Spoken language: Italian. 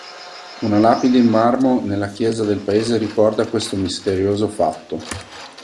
Una lapide in marmo nella chiesa del paese ricorda questo misterioso fatto.